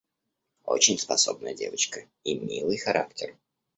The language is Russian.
Очень способная девочка и милый характер.